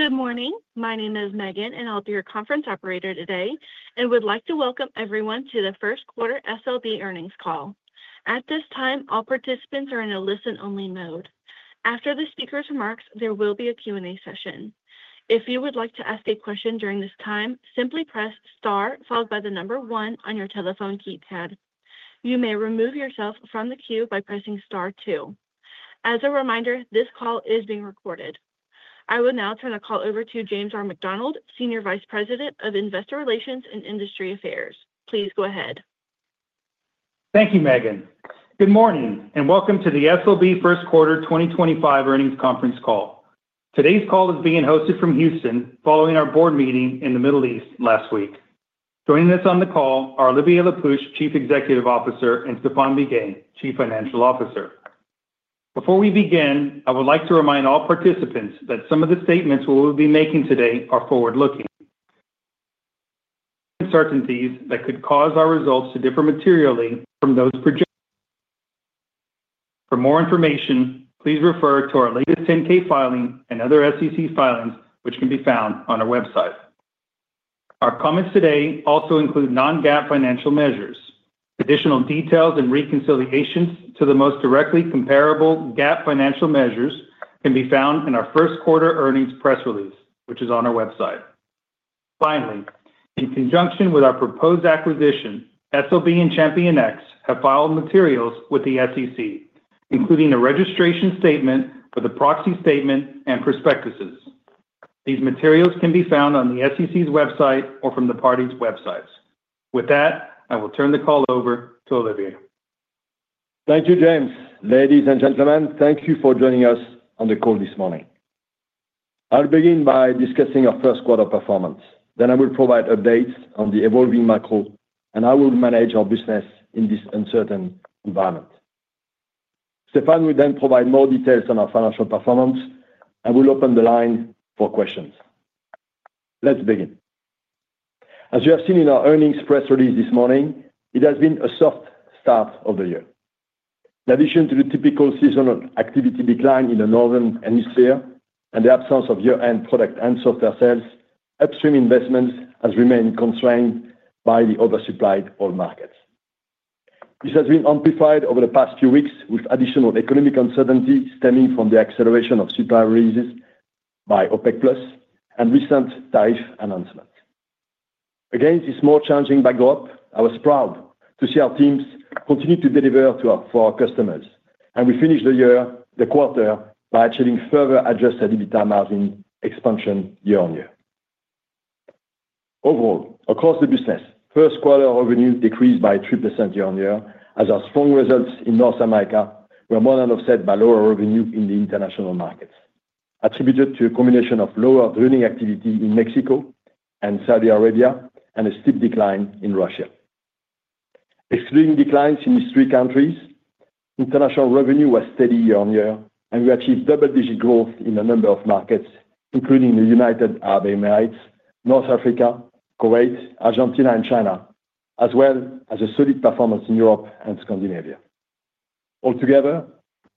Good morning. My name is Megan, and I'll be your conference operator today and would like to Welcome everyone to the First Quarter SLB Earnings Call. At this time, all participants are in a listen-only mode. After the speaker's remarks, there will be a Q&A session. If you would like to ask a question during this time, simply press star followed by the number one on your telephone keypad. You may remove yourself from the queue by pressing star two. As a reminder, this call is being recorded. I will now turn the call over to James R. McDonald, Senior Vice President of Investor Relations and Industry Affairs. Please go ahead. Thank you, Megan. Good morning and Welcome to the SLB First Quarter 2025 Earnings Conference Call. Today's call is being hosted from Houston following our board meeting in the Middle East last week. Joining us on the call are Olivier Le Peuch, Chief Executive Officer, and Stéphane BIGUET, Chief Financial Officer. Before we begin, I would like to remind all participants that some of the statements we will be making today are forward-looking uncertainties that could cause our results to differ materially from those projected. For more information, please refer to our latest 10-K filing and other SEC filings, which can be found on our website. Our comments today also include non-GAAP financial measures. Additional details and reconciliations to the most directly comparable GAAP financial measures can be found in our first quarter earnings press release, which is on our website. Finally, in conjunction with our proposed acquisition, SLB and ChampionX have filed materials with the SEC, including a registration statement for the proxy statement and prospectuses. These materials can be found on the SEC's website or from the parties' websites. With that, I will turn the call over to Olivier. Thank you, James. Ladies and gentlemen, thank you for joining us on the call this morning. I'll begin by discussing our first quarter performance. Then I will provide updates on the evolving macro, and how we will manage our business in this uncertain environment. Stéphane will then provide more details on our financial performance, and we'll open the line for questions. Let's begin. As you have seen in our earnings press release this morning, it has been a soft start of the year. In addition to the typical seasonal activity decline in the northern hemisphere and the absence of year-end product and software sales, upstream investments have remained constrained by the oversupplied oil markets. This has been amplified over the past few weeks with additional economic uncertainty stemming from the acceleration of supply releases by OPEC+ and recent tariff announcements. Against this more challenging backdrop, I was proud to see our teams continue to deliver for our customers, and we finished the quarter by achieving further adjusted EBITDA margin expansion year-on-year. Overall, across the business, first quarter revenue decreased by 3% year-on-year, as our strong results in North America were more than offset by lower revenue in the international markets, attributed to a combination of lower drilling activity in Mexico and Saudi Arabia and a steep decline in Russia. Excluding declines in these three countries, international revenue was steady year-on-year, and we achieved double-digit growth in a number of markets, including the United Arab Emirates, North Africa, Kuwait, Argentina, and China, as well as a solid performance in Europe and Scandinavia. Altogether,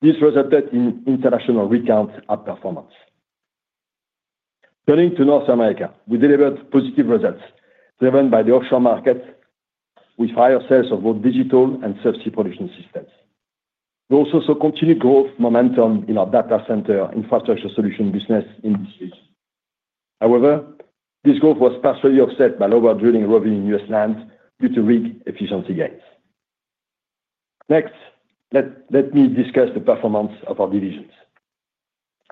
this resulted in international rig count performance. Turning to North America, we delivered positive results driven by the offshore market with higher sales of both digital and subsea production systems. We also saw continued growth momentum in our data center infrastructure solutions business in this region. However, this growth was partially offset by lower drilling revenue in U.S. land due to rig efficiency gains. Next, let me discuss the performance of our divisions.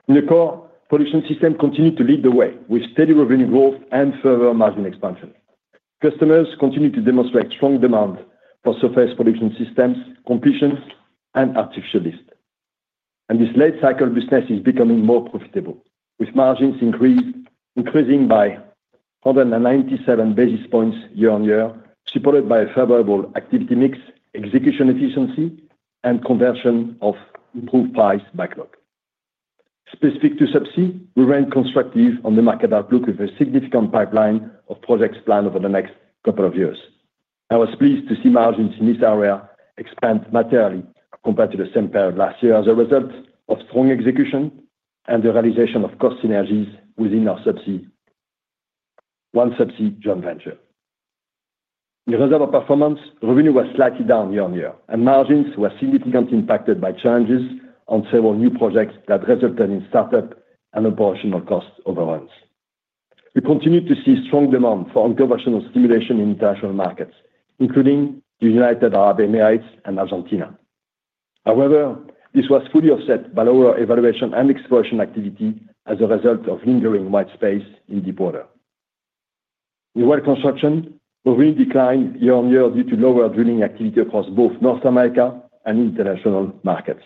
In the core, production systems continue to lead the way with steady revenue growth and further margin expansion. Customers continue to demonstrate strong demand for surface production systems, completions, and artificial lift. This late-cycle business is becoming more profitable, with margins increasing by 197 basis points year-on-year, supported by a favorable activity mix, execution efficiency, and conversion of improved price backlog. Specific to subsea, we remain constructive on the market outlook with a significant pipeline of projects planned over the next couple of years. I was pleased to see margins in this area expand materially compared to the same period last year as a result of strong execution and the realization of cost synergies within our subsea OneSubsea joint venture. In terms of our performance, revenue was slightly down year-on-year, and margins were significantly impacted by challenges on several new projects that resulted in startup and operational cost overruns. We continue to see strong demand for unconventional oil stimulation in international markets, including the United Arab Emirates and Argentina. However, this was fully offset by lower evaluation and exploration activity as a result of lingering white space in deep water. In Well Construction, revenue declined year-on-year due to lower drilling activity across both North America and international markets.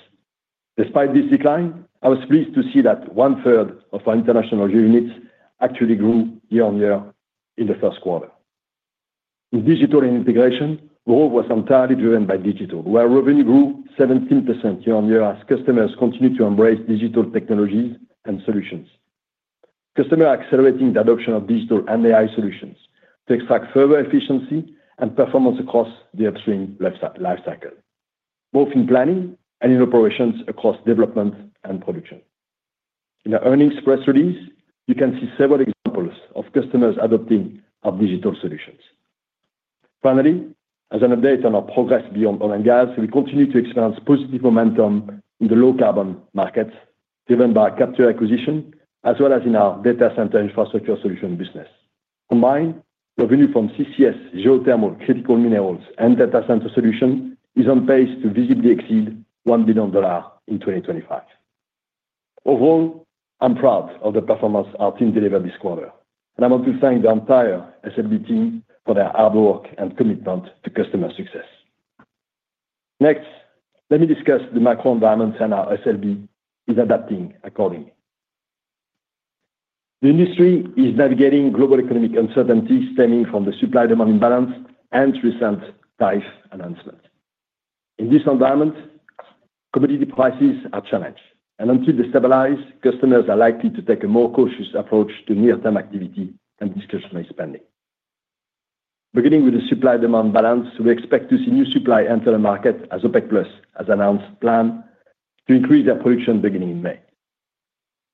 Despite this decline, I was pleased to see that one-third of our international units actually grew year-on-year in the first quarter. In digital integration, growth was entirely driven by digital, where revenue grew 17% year-on-year as customers continued to embrace digital technologies and solutions. Customers are accelerating the adoption of digital and AI solutions to extract further efficiency and performance across the upstream lifecycle, both in planning and in operations across development and production. In our earnings press release, you can see several examples of customers adopting our digital solutions. Finally, as an update on our progress beyond oil and gas, we continue to experience positive momentum in the low-carbon markets driven by capture acquisition, as well as in our data center infrastructure solution business. Combined, revenue from CCS, geothermal, critical minerals, and data center solution is on pace to visibly exceed $1 billion in 2025. Overall, I'm proud of the performance our team delivered this quarter, and I want to thank the entire SLB team for their hard work and commitment to customer success. Next, let me discuss the macro environment and how SLB is adapting accordingly. The industry is navigating global economic uncertainty stemming from the supply-demand imbalance and recent tariff announcements. In this environment, commodity prices are challenged, and until they stabilize, customers are likely to take a more cautious approach to near-term activity and discretionary spending. Beginning with the supply-demand balance, we expect to see new supply enter the market as OPEC+ has announced plans to increase their production beginning in May.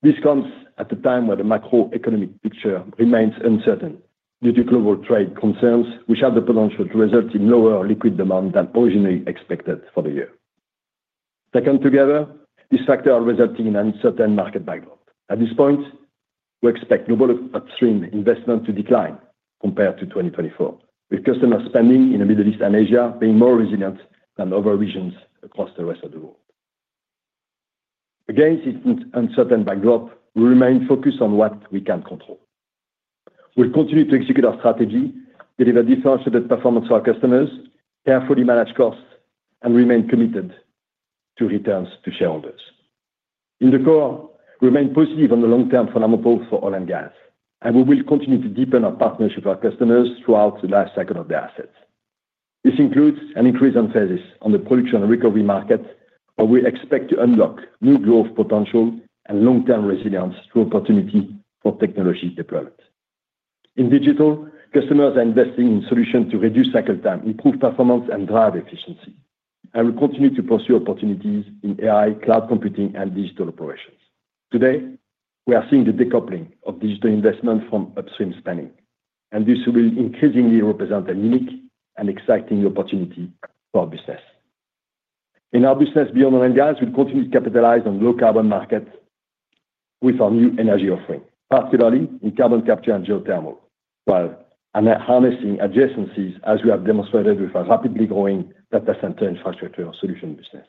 This comes at a time where the macroeconomic picture remains uncertain due to global trade concerns, which have the potential to result in lower liquids demand than originally expected for the year. Taken together, these factors are resulting in uncertain market backdrop. At this point, we expect global upstream investment to decline compared to 2024, with customer spending in the Middle East and Asia being more resilient than other regions across the rest of the world. Against this uncertain backdrop, we remain focused on what we can control. We'll continue to execute our strategy, deliver differentiated performance to our customers, carefully manage costs, and remain committed to returns to shareholders. In the core, we remain positive on the long-term fundamentals for oil and gas, and we will continue to deepen our partnership with our customers throughout the life cycle of their assets. This includes an increase in phases on the production and recovery market, where we expect to unlock new growth potential and long-term resilience through opportunity for technology deployment. In digital, customers are investing in solutions to reduce cycle time, improve performance, and drive efficiency, and will continue to pursue opportunities in AI, cloud computing, and digital operations. Today, we are seeing the decoupling of digital investment from upstream spending, and this will increasingly represent a unique and exciting opportunity for our business. In our business beyond oil and gas, we'll continue to capitalize on low-carbon markets with our new energy offering, particularly in carbon capture and geothermal, while harnessing adjacencies as we have demonstrated with our rapidly growing data center infrastructure solution business.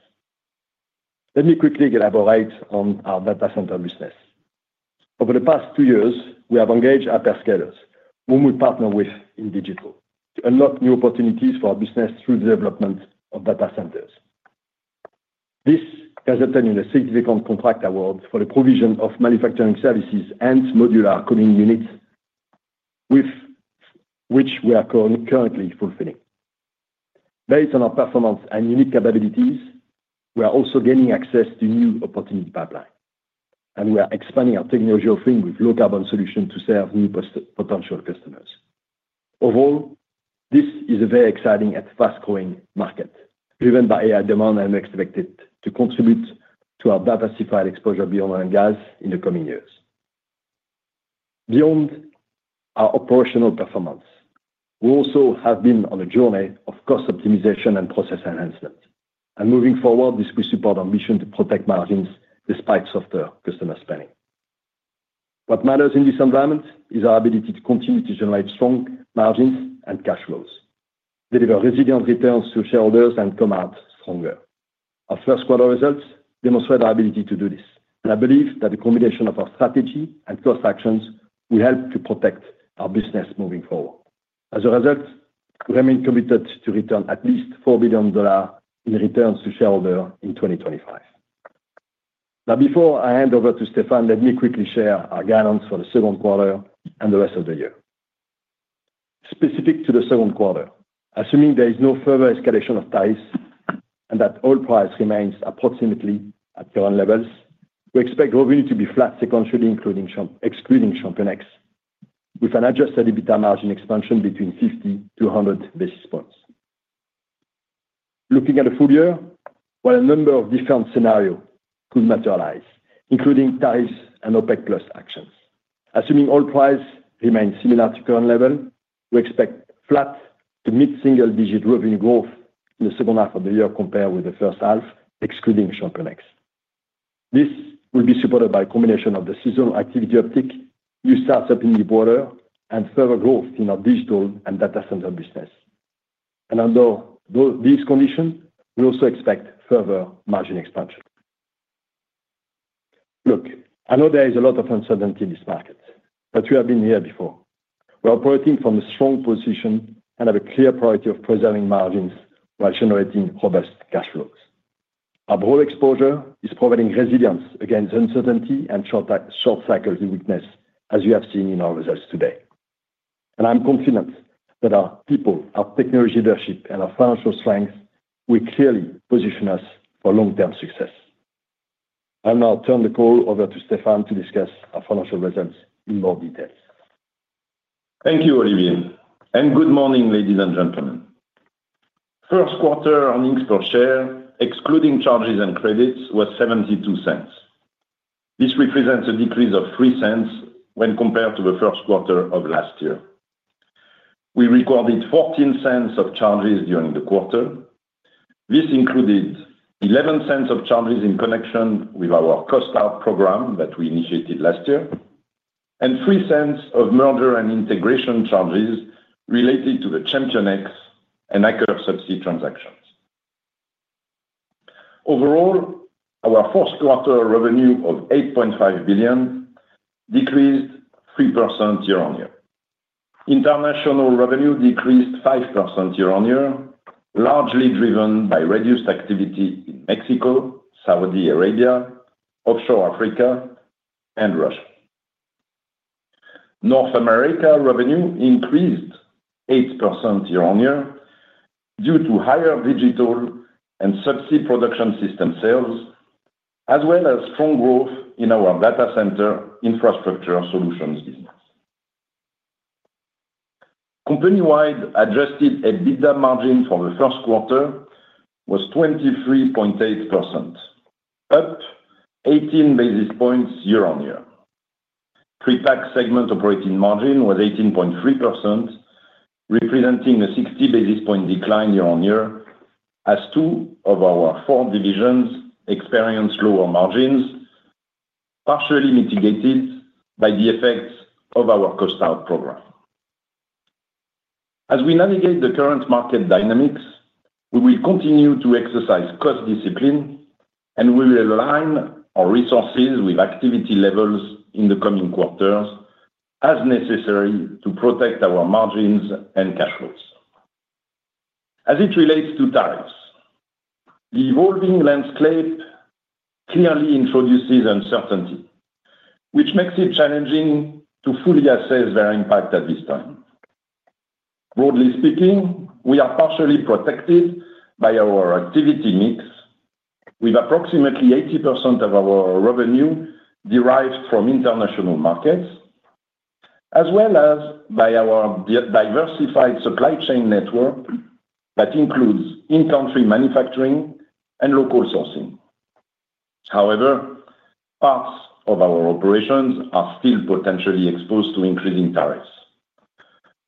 Let me quickly elaborate on our data center business. Over the past two years, we have engaged our hyperscalers, whom we partner with in digital, to unlock new opportunities for our business through the development of data centers. This has obtained a significant contract award for the provision of manufacturing services and modular cooling units, which we are currently fulfilling. Based on our performance and unique capabilities, we are also gaining access to new opportunity pipelines, and we are expanding our technology offering with low-carbon solutions to serve new potential customers. Overall, this is a very exciting and fast-growing market, driven by AI demand and expected to contribute to our diversified exposure beyond oil and gas in the coming years. Beyond our operational performance, we also have been on a journey of cost optimization and process enhancement, and moving forward, this will support our ambition to protect margins despite softer customer spending. What matters in this environment is our ability to continue to generate strong margins and cash flows, deliver resilient returns to shareholders, and come out stronger. Our first quarter results demonstrate our ability to do this, and I believe that the combination of our strategy and cost actions will help to protect our business moving forward. As a result, we remain committed to return at least $4 billion in returns to shareholders in 2025. Now, before I hand over to Stéphane, let me quickly share our guidance for the second quarter and the rest of the year. Specific to the second quarter, assuming there is no further escalation of tariffs and that oil price remains approximately at current levels, we expect revenue to be flat sequentially, excluding ChampionX, with an adjusted EBITDA margin expansion between 50-100 basis points. Looking at the full year, while a number of different scenarios could materialize, including tariffs and OPEC+ actions. Assuming oil price remains similar to current levels, we expect flat to mid-single-digit revenue growth in the second half of the year compared with the first half, excluding ChampionX. This will be supported by a combination of the seasonal activity uptick, new startups in deep water, and further growth in our digital and data center business. Under these conditions, we also expect further margin expansion. Look, I know there is a lot of uncertainty in this market, but we have been here before. We're operating from a strong position and have a clear priority of preserving margins while generating robust cash flows. Our broad exposure is providing resilience against uncertainty and short cycles of weakness, as we have seen in our results today. I'm confident that our people, our technology leadership, and our financial strength will clearly position us for long-term success. I'll now turn the call over to Stéphane to discuss our financial results in more detail. Thank you, Olivier, and good morning, ladies and gentlemen. First quarter earnings per share, excluding charges and credits, was $0.72. This represents a decrease of $0.03 when compared to the first quarter of last year. We recorded $0.14 of charges during the quarter. This included $0.11 of charges in connection with our cost out program that we initiated last year, and $0.03 of merger and integration charges related to the ChampionX and Aker Carbon Capture. Overall, our fourth quarter revenue of $8.5 billion decreased 3% year-on-year. International revenue decreased 5% year-on-year, largely driven by reduced activity in Mexico, Saudi Arabia, offshore Africa, and Russia. North America revenue increased 8% year-on-year due to higher digital and subsea Production Systems sales, as well as strong growth in our data center infrastructure solutions business. Company-wide adjusted EBITDA margin for the first quarter was 23.8%, up 18 basis points year-on-year. Pre-tax segment operating margin was 18.3%, representing a 60 basis point decline year-on-year, as two of our four divisions experienced lower margins, partially mitigated by the effects of our cost out program. As we navigate the current market dynamics, we will continue to exercise cost discipline, and we will align our resources with activity levels in the coming quarters as necessary to protect our margins and cash flows. As it relates to tariffs, the evolving landscape clearly introduces uncertainty, which makes it challenging to fully assess their impact at this time. Broadly speaking, we are partially protected by our activity mix, with approximately 80% of our revenue derived from international markets, as well as by our diversified supply chain network that includes in-country manufacturing and local sourcing. However, parts of our operations are still potentially exposed to increasing tariffs,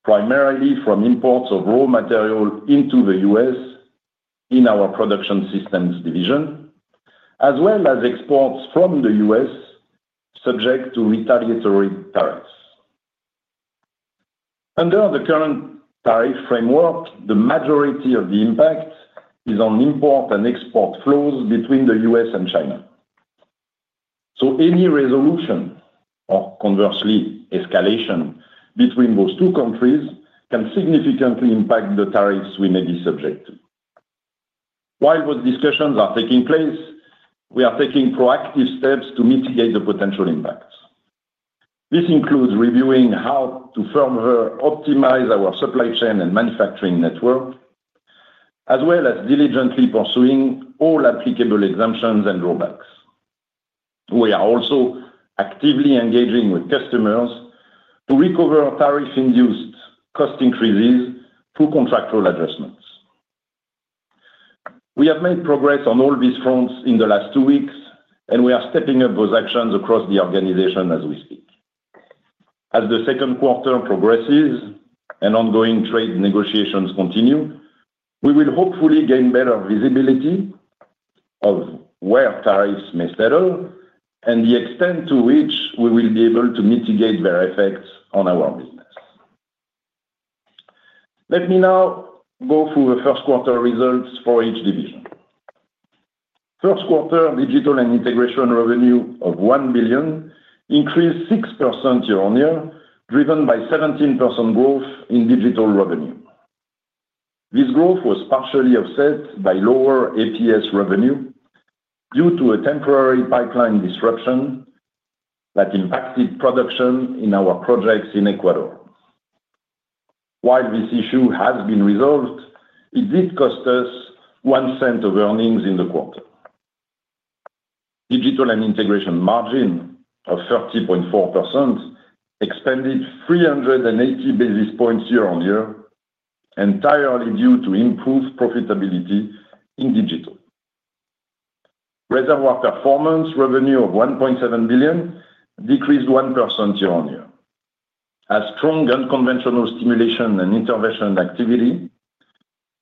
primarily from imports of raw material into the U.S. in our production systems division, as well as exports from the U.S. subject to retaliatory tariffs. Under the current tariff framework, the majority of the impact is on import and export flows between the U.S. and China. Any resolution or, conversely, escalation between those two countries can significantly impact the tariffs we may be subject to. While those discussions are taking place, we are taking proactive steps to mitigate the potential impacts. This includes reviewing how to further optimize our supply chain and manufacturing network, as well as diligently pursuing all applicable exemptions and rollbacks. We are also actively engaging with customers to recover tariff-induced cost increases through contractual adjustments. We have made progress on all these fronts in the last two weeks, and we are stepping up those actions across the organization as we speak. As the second quarter progresses and ongoing trade negotiations continue, we will hopefully gain better visibility of where tariffs may settle and the extent to which we will be able to mitigate their effects on our business. Let me now go through the first quarter results for each division. First quarter Digital & Integration revenue of $1 billion increased 6% year-on-year, driven by 17% growth in digital revenue. This growth was partially offset by lower APS revenue due to a temporary pipeline disruption that impacted production in our projects in Ecuador. While this issue has been resolved, it did cost us $0.01 of earnings in the quarter. Digital & Integration margin of 30.4% expanded 380 basis points year-on-year, entirely due to improved profitability in digital. Reservoir Performance revenue of $1.7 billion decreased 1% year-on-year, as strong unconventional stimulation and intervention activity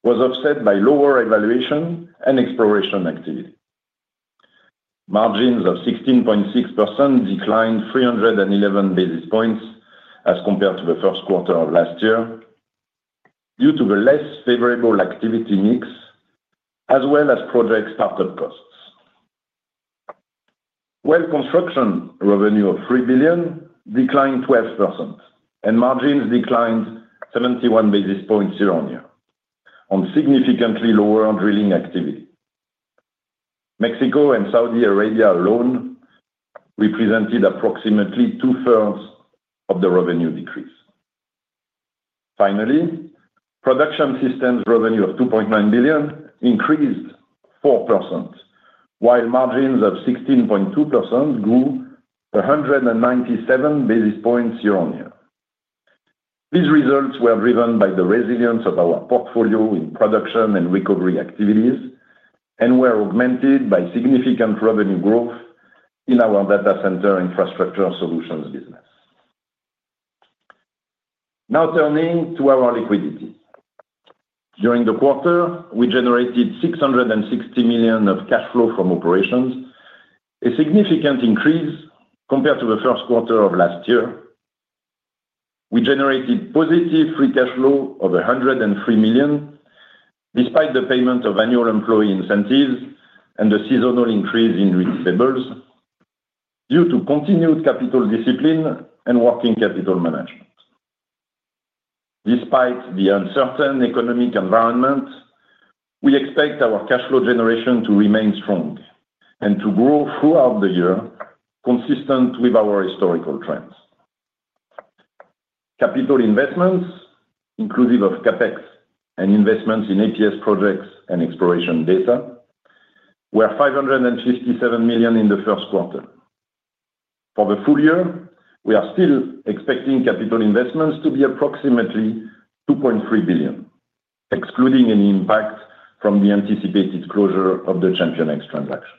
was offset by lower evaluation and exploration activity. Margins of 16.6% declined 311 basis points as compared to the first quarter of last year due to the less favorable activity mix, as well as project startup costs. Well Construction revenue of $3 billion declined 12%, and margins declined 71 basis points year-on-year, on significantly lower drilling activity. Mexico and Saudi Arabia alone represented approximately two-thirds of the revenue decrease. Finally, production systems revenue of $2.9 billion increased 4%, while margins of 16.2% grew 197 basis points year-on-year. These results were driven by the resilience of our portfolio in production and recovery activities and were augmented by significant revenue growth in our data center infrastructure solutions business. Now turning to our liquidity. During the quarter, we generated $660 million of cash flow from operations, a significant increase compared to the first quarter of last year. We generated positive free cash flow of $103 million, despite the payment of annual employee incentives and the seasonal increase in receivables, due to continued capital discipline and working capital management. Despite the uncertain economic environment, we expect our cash flow generation to remain strong and to grow throughout the year, consistent with our historical trends. Capital investments, inclusive of CapEx and investments in APS projects and exploration data, were $557 million in the first quarter. For the full year, we are still expecting capital investments to be approximately $2.3 billion, excluding any impact from the anticipated closure of the ChampionX transaction.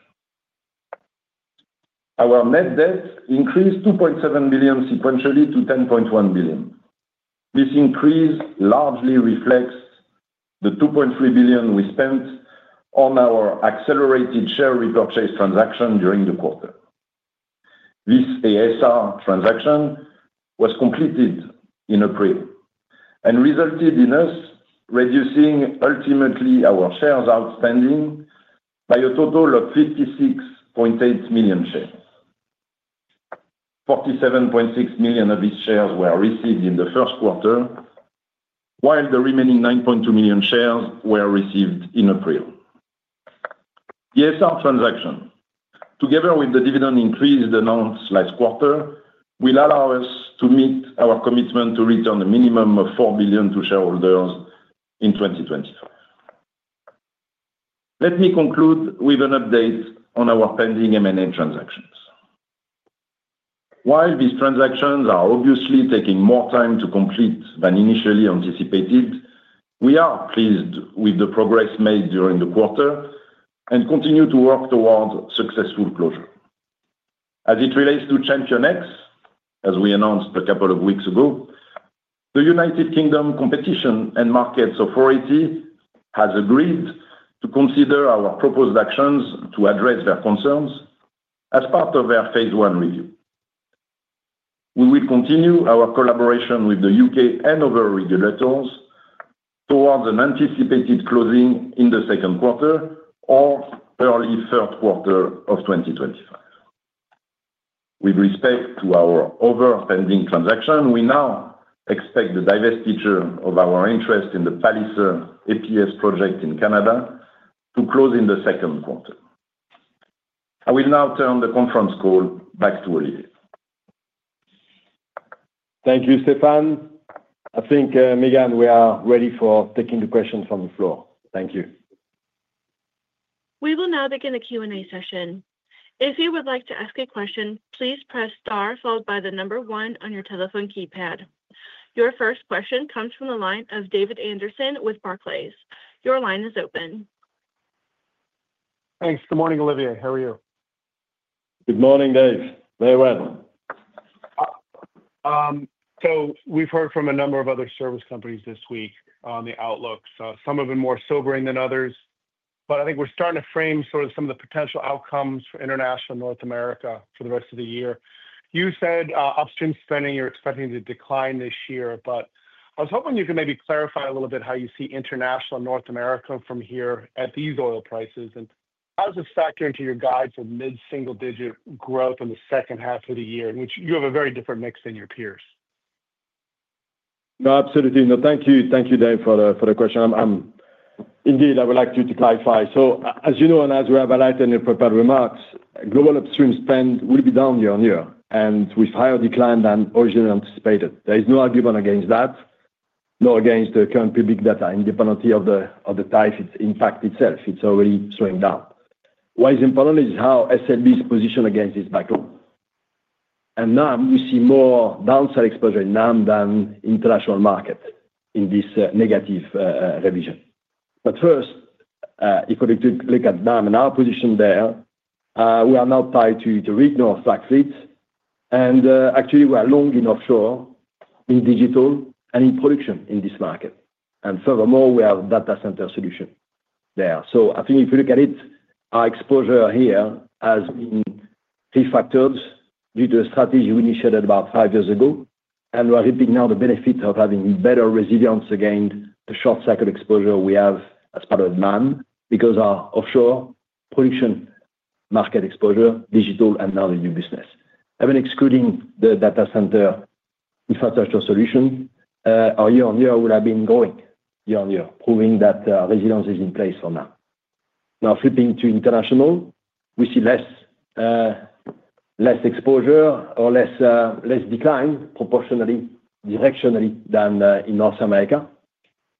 Our net debt increased $2.7 billion sequentially to $10.1 billion. This increase largely reflects the $2.3 billion we spent on our accelerated share repurchase transaction during the quarter. This ASR transaction was completed in April and resulted in us reducing ultimately our shares outstanding by a total of 56.8 million shares. 47.6 million of these shares were received in the first quarter, while the remaining 9.2 million shares were received in April. The ASR transaction, together with the dividend increase announced last quarter, will allow us to meet our commitment to return a minimum of $4 billion to shareholders in 2025. Let me conclude with an update on our pending M&A transactions. While these transactions are obviously taking more time to complete than initially anticipated, we are pleased with the progress made during the quarter and continue to work towards successful closure. As it relates to ChampionX, as we announced a couple of weeks ago, the United Kingdom Competition and Markets Authority has agreed to consider our proposed actions to address their concerns as part of their phase one review. We will continue our collaboration with the U.K. and other regulators towards an anticipated closing in the second quarter or early third quarter of 2025. With respect to our other pending transaction, we now expect the divestiture of our interest in the Palliser APS project in Canada to close in the second quarter. I will now turn the conference call back to Olivier. Thank you, Stéphane. I think, Miguel, we are ready for taking the questions from the floor. Thank you. We will now begin the Q&A session. If you would like to ask a question, please press star followed by the number one on your telephone keypad. Your first question comes from the line of David Anderson with Barclays. Your line is open. Thanks. Good morning, Olivier. How are you? Good morning, Dave. Very well. We have heard from a number of other service companies this week on the outlook, some of them more sobering than others, but I think we are starting to frame sort of some of the potential outcomes for international North America for the rest of the year. You said upstream spending you're expecting to decline this year, but I was hoping you could maybe clarify a little bit how you see international North America from here at these oil prices, and how does this factor into your guide for mid-single-digit growth in the second half of the year, which you have a very different mix than your peers? No, absolutely not. Thank you, Dave, for the question. Indeed, I would like you to clarify. As you know, and as we have already prepared remarks, global upstream spend will be down year-on-year, and we've had a decline than originally anticipated. There is no argument against that, nor against the current public data, independently of the tariff impact itself. It's already slowing down. What is important is how SLB's position against this backlog. Now we see more downside exposure in NAM than international market in this negative revision. First, if we look at NAM and our position there, we are now tied to the regional frac fleet, and actually, we are long in offshore, in digital, and in production in this market. Furthermore, we have data center solution there. I think if you look at it, our exposure here has been refactored due to a strategy we initiated about five years ago, and we're reaping now the benefit of having better resilience against the short-cycle exposure we have as part of NAM because our offshore production market exposure, digital, and now the new business. Even excluding the data center infrastructure solution, our year-on-year will have been growing year-on-year, proving that resilience is in place for NAM. Now, flipping to international, we see less exposure or less decline proportionally, directionally than in North America,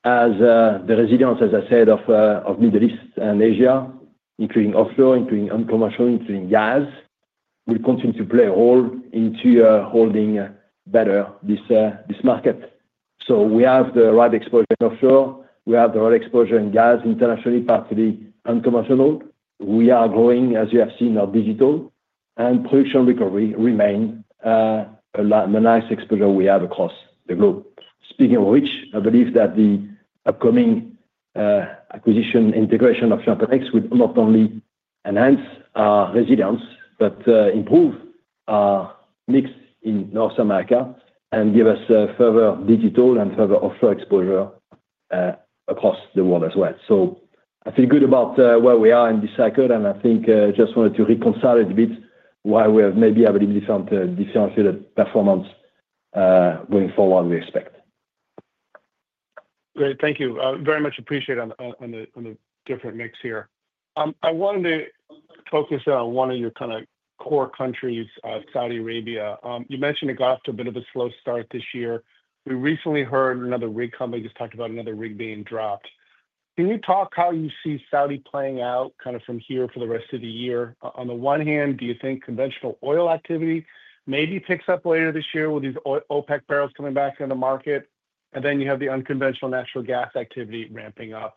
as the resilience, as I said, of the Middle East and Asia, including offshore, including unconventional, including gas, will continue to play a role into holding better this market. We have the right exposure in offshore. We have the right exposure in gas internationally, particularly unconventional. We are growing, as you have seen, our digital and production recovery remain the nice exposure we have across the globe. Speaking of which, I believe that the upcoming acquisition integration of ChampionX will not only enhance our resilience, but improve our mix in North America and give us further digital and further offshore exposure across the world as well. I feel good about where we are in this cycle, and I think I just wanted to reconcile it a bit while we have maybe a bit different performance going forward we expect. Great. Thank you. Very much appreciated on the different mix here. I wanted to focus on one of your kind of core countries, Saudi Arabia. You mentioned it got off to a bit of a slow start this year. We recently heard another rig company just talked about another rig being dropped. Can you talk how you see Saudi playing out kind of from here for the rest of the year? On the one hand, do you think conventional oil activity maybe picks up later this year with these OPEC barrels coming back into the market? And then you have the unconventional natural gas activity ramping up.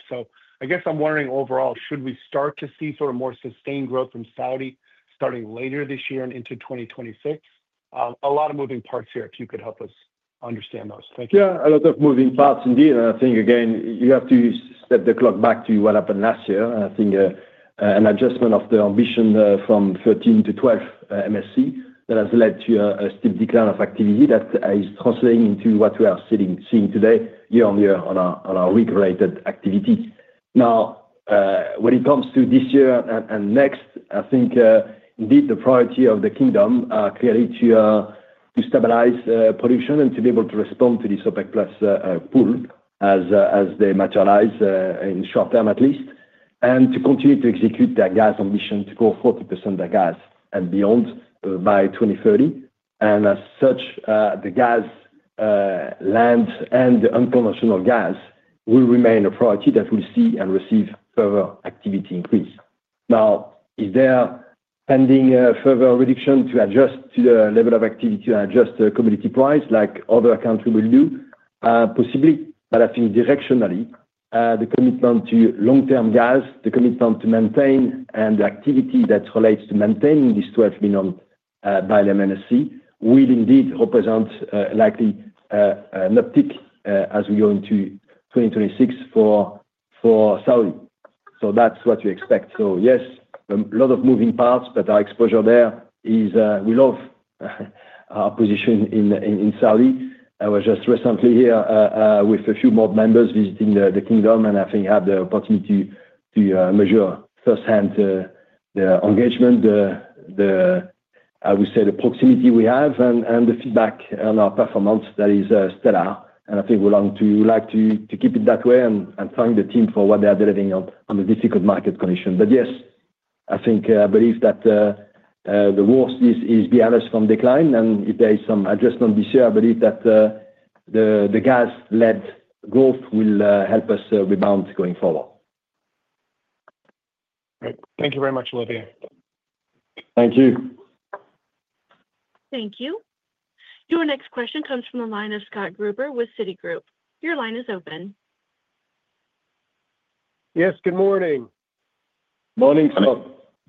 I guess I'm wondering overall, should we start to see sort of more sustained growth from Saudi starting later this year and into 2026? A lot of moving parts here, if you could help us understand those. Thank you. Yeah, a lot of moving parts indeed. I think, again, you have to step the clock back to what happened last year. I think an adjustment of the ambition from 13 to 12 MSC that has led to a steep decline of activity that is translating into what we are seeing today year-on year-on our rig-related activity. Now, when it comes to this year and next, I think indeed the priority of the kingdom clearly to stabilize production and to be able to respond to this OPEC+ pool as they materialize in short term at least, and to continue to execute their gas ambition to go 40% of gas and beyond by 2030. As such, the gas land and the unconventional gas will remain a priority that we'll see and receive further activity increase. Now, is there pending further reduction to adjust to the level of activity and adjust to the commodity price like other countries will do? Possibly, but I think directionally, the commitment to long-term gas, the commitment to maintain, and the activity that relates to maintaining this 12 million by MSC will indeed represent likely an uptick as we go into 2026 for Saudi. That's what we expect. Yes, a lot of moving parts, but our exposure there is we love our position in Saudi. I was just recently here with a few more members visiting the kingdom, and I think I had the opportunity to measure firsthand the engagement, the, I would say, the proximity we have and the feedback on our performance that is stellar. I think we like to keep it that way and thank the team for what they are delivering on the difficult market condition. Yes, I think I believe that the worst is behind us from decline, and if there is some adjustment this year, I believe that the gas-led growth will help us rebound going forward. Great. Thank you very much, Olivier. Thank you. Thank you. Your next question comes from the line of Scott Gruber with Citigroup. Your line is open. Yes, good morning. Morning, Scott.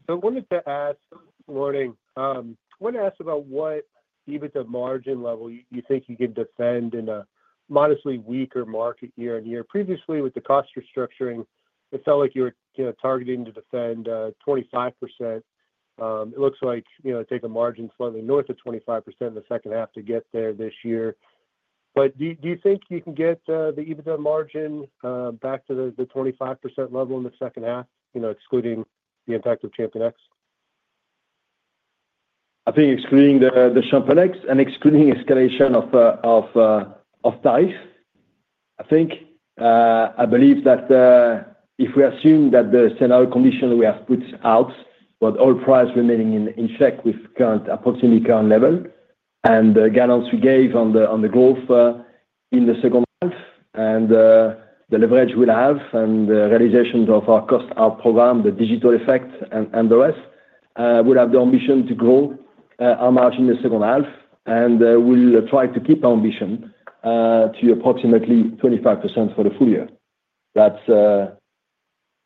I wanted to ask, morning. I wanted to ask about what even the margin level you think you can defend in a modestly weaker market year-on-year. Previously, with the cost restructuring, it felt like you were targeting to defend 25%. It looks like you take a margin slightly north of 25% in the second half to get there this year. Do you think you can get the even margin back to the 25% level in the second half, excluding the impact of ChampionX? I think excluding the ChampionX and excluding escalation of tariffs, I think. I believe that if we assume that the scenario condition we have put out, with oil price remaining in check with approximately current level, and the guidance we gave on the growth in the second half, and the leverage we'll have, and the realization of our cost out program, the digital effect, and the rest, we'll have the ambition to grow our margin in the second half, and we'll try to keep our ambition to approximately 25% for the full year.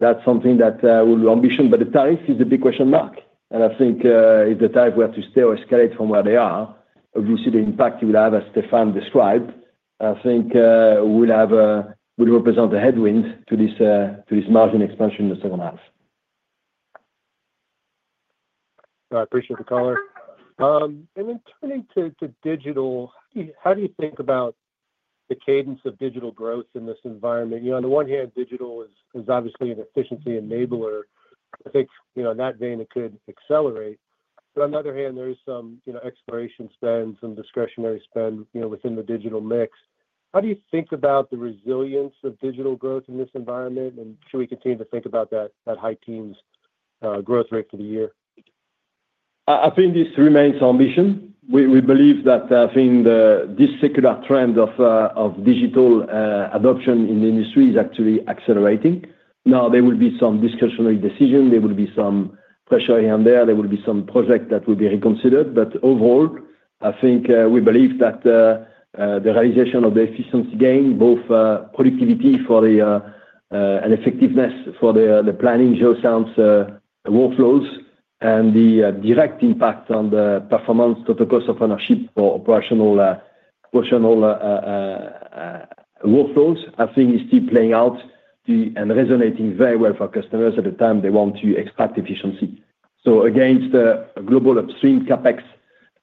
That's something that we'll ambition, but the tariffs is a big question mark. I think if the tariffs were to stay or escalate from where they are, obviously the impact you would have, as Stéphane described, I think will represent a headwind to this margin expansion in the second half. I appreciate the color. Turning to digital, how do you think about the cadence of digital growth in this environment? On the one hand, digital is obviously an efficiency enabler. I think in that vein, it could accelerate. On the other hand, there is some exploration spend, some discretionary spend within the digital mix. How do you think about the resilience of digital growth in this environment, and should we continue to think about that high teens growth rate for the year? I think this remains our ambition. We believe that this secular trend of digital adoption in the industry is actually accelerating. There will be some discretionary decision. There will be some pressure here and there. There will be some projects that will be reconsidered. Overall, I think we believe that the realization of the efficiency gain, both productivity for the and effectiveness for the planning geoscience workflows and the direct impact on the performance total cost of ownership for operational workflows, I think is still playing out and resonating very well for customers at the time they want to extract efficiency. Against the global upstream CapEx,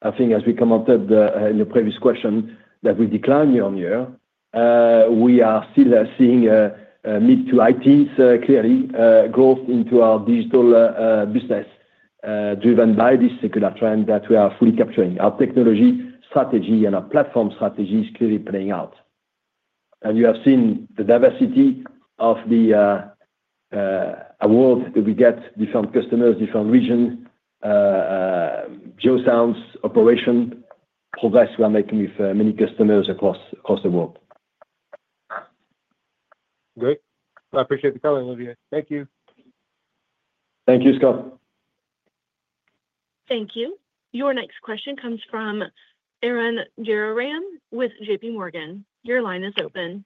I think, as we commented in the previous question, that we decline year-on-year, we are still seeing mid to high teens clearly growth into our digital business driven by this secular trend that we are fully capturing. Our technology strategy and our platform strategy is clearly playing out. You have seen the diversity of the world that we get, different customers, different regions, geoscience operation progress we are making with many customers across the world. Great. I appreciate the color, Olivier. Thank you. Thank you, Scott. Thank you. Your next question comes from Arun Jayaram with JPMorgan. Your line is open.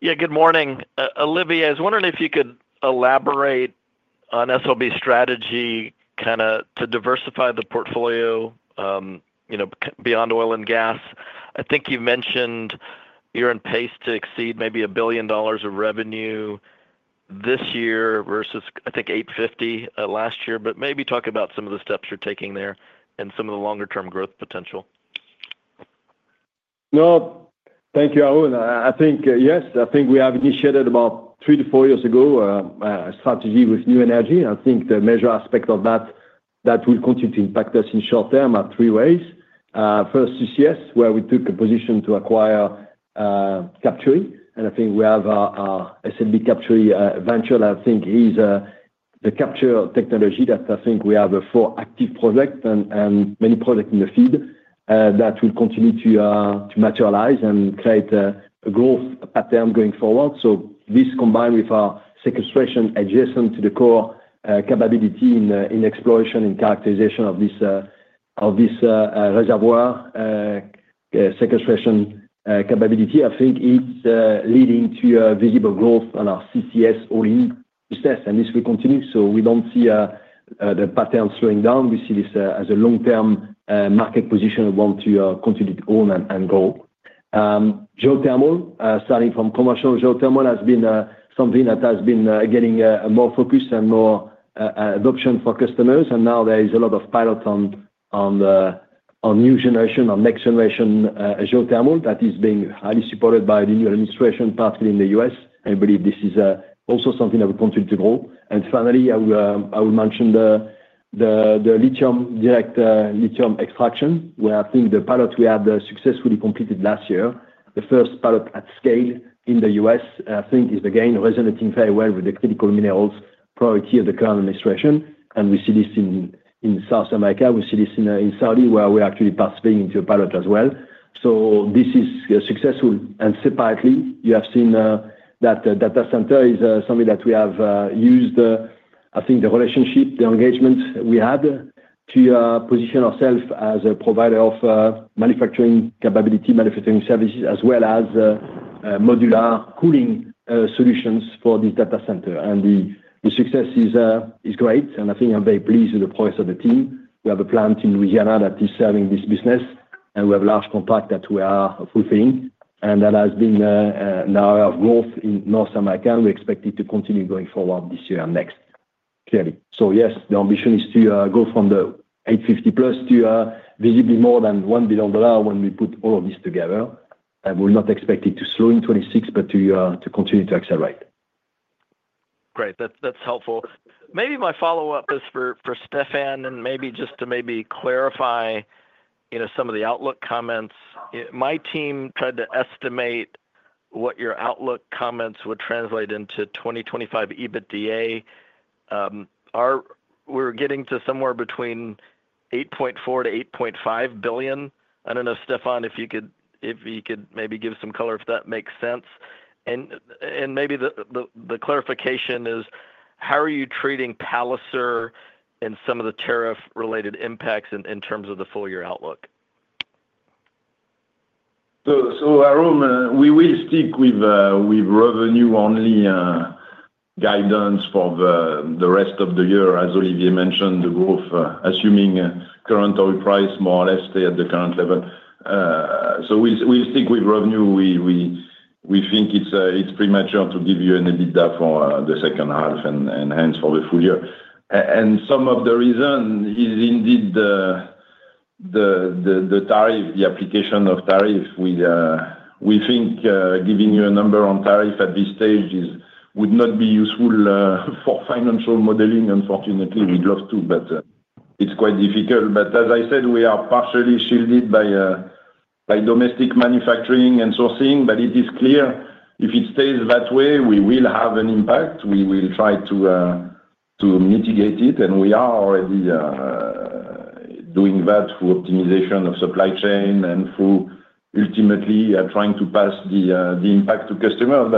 Yeah, good morning. Olivier, I was wondering if you could elaborate on SLB strategy kind of to diversify the portfolio beyond oil and gas. I think you mentioned you're in pace to exceed maybe $1 billion of revenue this year versus, I think, $850 million last year, but maybe talk about some of the steps you're taking there and some of the longer-term growth potential. Thank you, Arun. I think, yes, I think we have initiated about three to four years ago a strategy with new energy. I think the measure aspect of that will continue to impact us in short term in three ways. First is yes, where we took a position to acquire Capturi, and I think we have our SLB Capturi venture that I think is the capture technology that I think we have four active projects and many projects in the field that will continue to materialize and create a growth pattern going forward. This combined with our sequestration adjacent to the core capability in exploration and characterization of this reservoir sequestration capability, I think it's leading to visible growth on our CCS all-in business, and this will continue. We do not see the pattern slowing down. We see this as a long-term market position we want to continue to own and grow. Geothermal, starting from commercial geothermal, has been something that has been getting more focus and more adoption for customers. There is a lot of pilot on next generation geothermal that is being highly supported by the new administration, particularly in the U.S. I believe this is also something that will continue to grow. Finally, I will mention the lithium direct lithium extraction, where I think the pilot we had successfully completed last year, the first pilot at scale in the U.S., is a gain resonating very well with the critical minerals priority of the current administration. We see this in South America. We see this in Saudi, where we are actually participating into a pilot as well. This is successful. Separately, you have seen that data center is something that we have used. I think the relationship, the engagement we had to position ourselves as a provider of manufacturing capability, manufacturing services, as well as modular cooling solutions for this data center. The success is great. I think I'm very pleased with the progress of the team. We have a plant in Louisiana that is serving this business, and we have large compact that we are fulfilling. That has been an area of growth in North America. We expect it to continue going forward this year and next, clearly. Yes, the ambition is to go from the $850 million plus to visibly more than $1 billion when we put all of this together. We're not expecting to slow in 2026, but to continue to accelerate. Great. That's helpful. Maybe my follow-up is for Stéphane, and maybe just to maybe clarify some of the outlook comments. My team tried to estimate what your outlook comments would translate into 2025 EBITDA. We're getting to somewhere between $8.4 billion-$8.5 billion. I don't know, Stéphane, if you could maybe give some color if that makes sense. Maybe the clarification is, how are you treating Palliser and some of the tariff-related impacts in terms of the full year outlook? Arun, we will stick with revenue-only guidance for the rest of the year, as Olivier mentioned, the growth, assuming current oil price more or less stay at the current level. We'll stick with revenue. We think it's premature to give you an EBITDA for the second half and hence for the full year. Some of the reason is indeed the tariff, the application of tariff. We think giving you a number on tariff at this stage would not be useful for financial modeling. Unfortunately, we'd love to, but it's quite difficult. As I said, we are partially shielded by domestic manufacturing and sourcing, but it is clear if it stays that way, we will have an impact. We will try to mitigate it, and we are already doing that through optimization of supply chain and through ultimately trying to pass the impact to customers.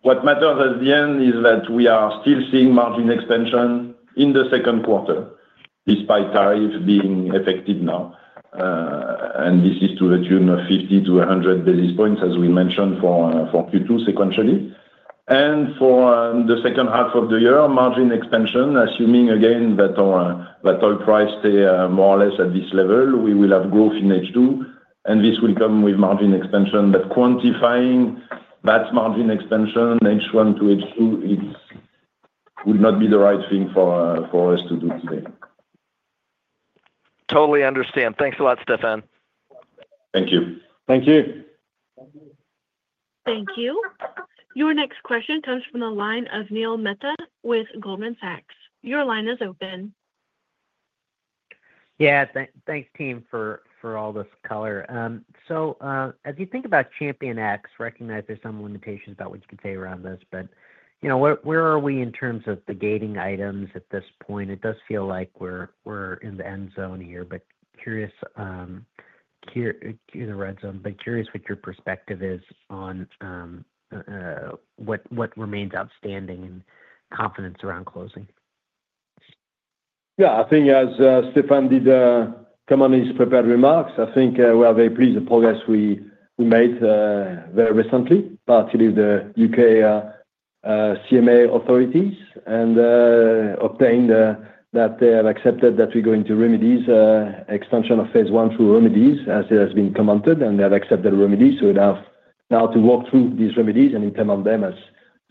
What matters at the end is that we are still seeing margin expansion in the second quarter, despite tariff being effective now. This is to the tune of 50-100 basis points, as we mentioned for Q2 sequentially. For the second half of the year, margin expansion, assuming again that oil price stays more or less at this level, we will have growth in H2, and this will come with margin expansion. Quantifying that margin expansion, H1 to H2, it would not be the right thing for us to do today. Totally understand. Thanks a lot, Stéphane. Thank you. Thank you. Thank you. Your next question comes from the line of Neil Mehta with Goldman Sachs. Your line is open. Yeah, thanks, team, for all this color. As you think about ChampionX, recognize there's some limitations about what you can say around this, but where are we in terms of the gating items at this point? It does feel like we're in the end zone here, but curious in the red zone, but curious what your perspective is on what remains outstanding and confidence around closing. Yeah, I think as Stéphane did come on his prepared remarks, I think we are very pleased with the progress we made very recently, particularly with the U.K. CMA authorities, and obtained that they have accepted that we're going to remedies extension of phase one through remedies, as it has been commented, and they have accepted remedies. We now have to walk through these remedies and implement them as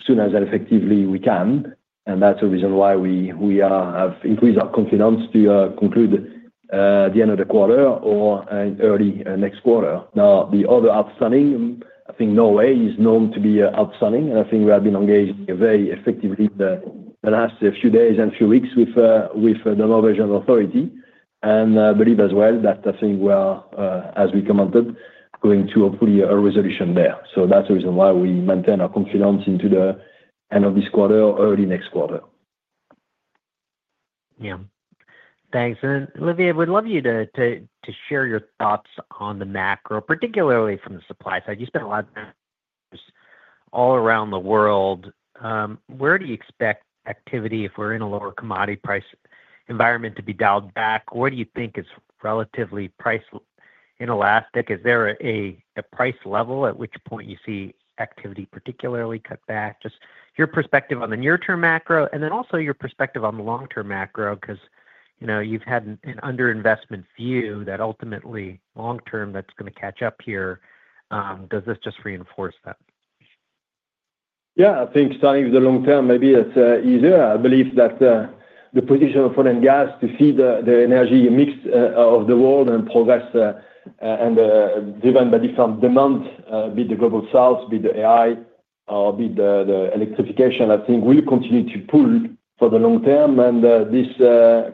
soon as effectively we can. That's the reason why we have increased our confidence to conclude at the end of the quarter or early next quarter. Now, the other outstanding, I think Norway is known to be outstanding, and I think we have been engaged very effectively the last few days and few weeks with the Norwegian authority. I believe as well that I think we are, as we commented, going to hopefully a resolution there. That's the reason why we maintain our confidence into the end of this quarter, early next quarter. Yeah. Thanks. Olivier, we'd love you to share your thoughts on the macro, particularly from the supply side. You spent a lot of time all around the world. Where do you expect activity, if we're in a lower commodity price environment, to be dialed back? Where do you think it's relatively price inelastic? Is there a price level at which point you see activity particularly cut back? Just your perspective on the near-term macro, and then also your perspective on the long-term macro, because you've had an under-investment view that ultimately long-term that's going to catch up here. Does this just reinforce that? Yeah, I think starting with the long-term, maybe it's easier. I believe that the position of oil and gas to see the energy mix of the world and progress and driven by different demands, be it the global south, be it the AI, or be it the electrification, I think will continue to pull for the long term. This,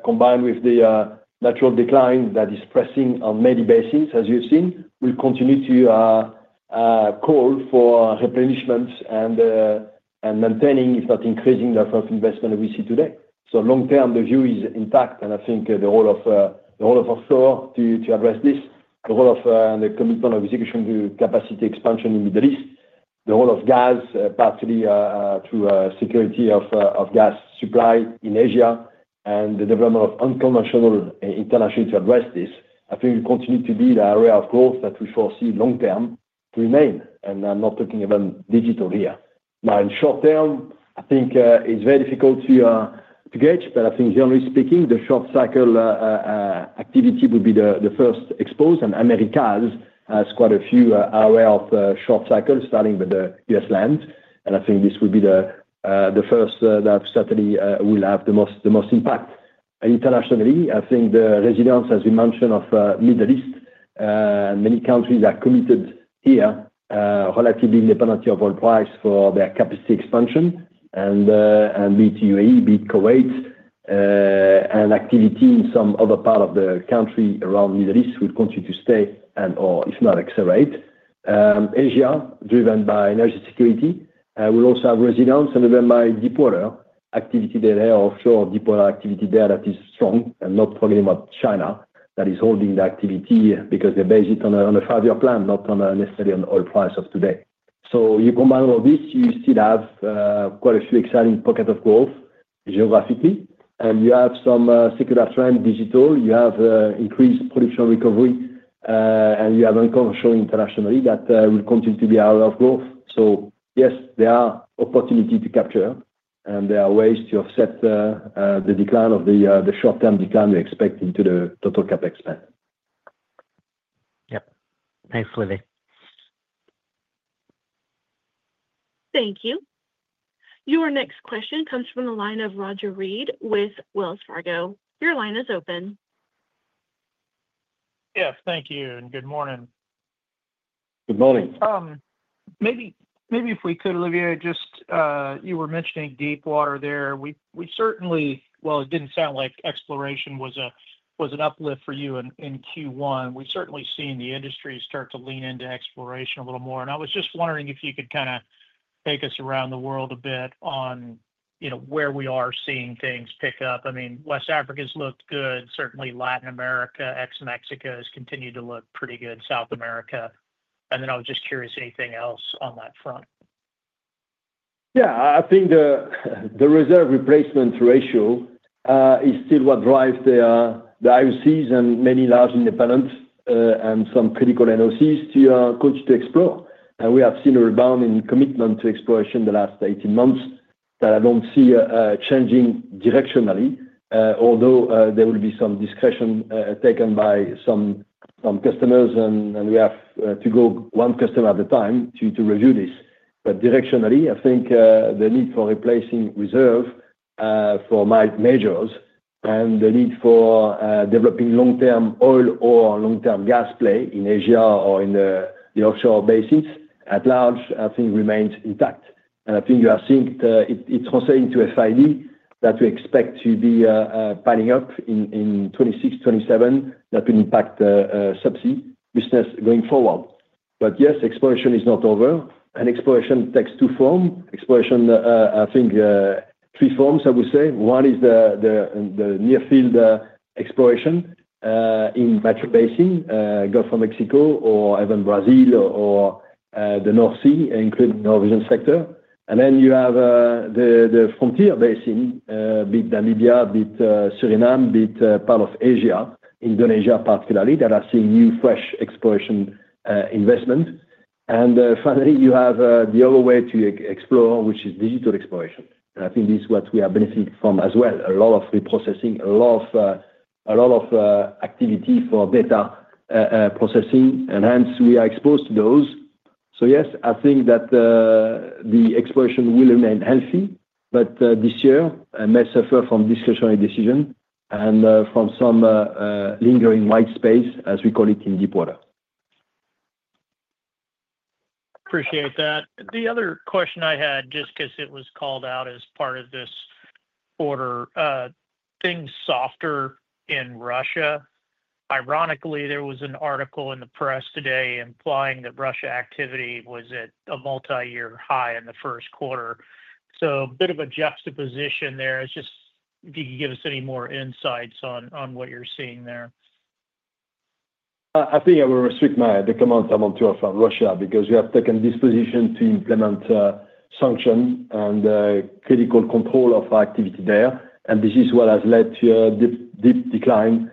combined with the natural decline that is pressing on many bases, as you've seen, will continue to call for replenishments and maintaining, if not increasing, the sort of investment we see today. Long-term, the view is intact. I think the role of offshore to address this, the role of the commitment of execution to capacity expansion in the Middle East, the role of gas partly through security of gas supply in Asia, and the development of unconventional international to address this, I think will continue to be the area of growth that we foresee long-term to remain. I'm not talking about digital here. In short term, I think it's very difficult to gauge, but I think generally speaking, the short-cycle activity would be the first exposed. Americas has quite a few area of short-cycle starting with the U.S. land. I think this would be the first that certainly will have the most impact. Internationally, I think the resilience, as we mentioned, of the Middle East, many countries are committed here, relatively independent of oil price for their capacity expansion. Be it the UAE, be it Kuwait, and activity in some other part of the country around the Middle East would continue to stay and, or if not accelerate. Asia, driven by energy security, will also have resilience and driven by deep water activity there, offshore deep water activity there that is strong and not talking about China that is holding the activity because they're based on a five-year plan, not necessarily on oil price of today. You combine all this, you still have quite a few exciting pockets of growth geographically. You have some secular trend, digital. You have increased production recovery, and you have unconventional internationally that will continue to be area of growth. Yes, there are opportunities to capture, and there are ways to offset the decline of the short-term decline we expect into the total cap expense. Yep. Thanks, Olivier. Thank you. Your next question comes from the line of Roger Reed with Wells Fargo. Your line is open. Yes, thank you. And good morning. Good morning. Maybe if we could, Olivier, just you were mentioning deep water there. It didn't sound like exploration was an uplift for you in Q1. We've certainly seen the industry start to lean into exploration a little more. I was just wondering if you could kind of take us around the world a bit on where we are seeing things pick up. I mean, West Africa's looked good. Certainly, Latin America, ex-Mexico has continued to look pretty good, South America. I was just curious, anything else on that front? Yeah, I think the reserve replacement ratio is still what drives the IOCs and many large independents and some critical NOCs to continue to explore. We have seen a rebound in commitment to exploration the last 18 months that I don't see changing directionally, although there will be some discretion taken by some customers. We have to go one customer at a time to review this. Directionally, I think the need for replacing reserve for majors, and the need for developing long-term oil or long-term gas play in Asia or in the offshore bases at large, I think remains intact. I think you are seeing it translating to FID that we expect to be piling up in 2026, 2027, that will impact subsea business going forward. Yes, exploration is not over. Exploration takes two forms. Exploration, I think three forms, I would say. One is the near-field exploration in metro basin, Gulf of Mexico, or even Brazil or the North Sea, including the Norwegian sector. Then you have the frontier basin, be it Namibia, be it Suriname, be it part of Asia, Indonesia particularly, that are seeing new fresh exploration investment. Finally, you have the other way to explore, which is digital exploration. I think this is what we are benefiting from as well. A lot of reprocessing, a lot of activity for data processing. Hence, we are exposed to those. Yes, I think that the exploration will remain healthy, but this year may suffer from discretionary decision and from some lingering white space, as we call it in deep water. Appreciate that. The other question I had, just because it was called out as part of this order, things softer in Russia. Ironically, there was an article in the press today implying that Russia activity was at a multi-year high in the first quarter. A bit of a juxtaposition there. Just if you could give us any more insights on what you're seeing there. I think I will respect my comments on too from Russia because we have taken this position to implement sanctions and critical control of our activity there. This is what has led to a deep decline